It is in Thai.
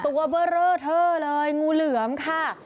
ตัวเบอร์เรอเทอร์เลยงูเหลือมค่ะ